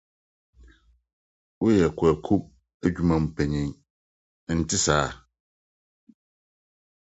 Woyɛ Kwaku adwumam panyin, ɛnte saa?